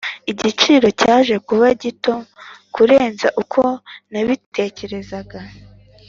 igiciro cyaje kuba gito kurenza uko nabitekerezaga.